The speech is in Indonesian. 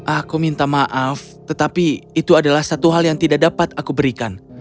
aku minta maaf tetapi itu adalah satu hal yang tidak dapat aku berikan